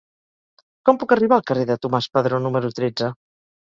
Com puc arribar al carrer de Tomàs Padró número tretze?